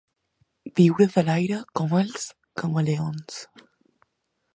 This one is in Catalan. Viure de l'aire com els camaleons.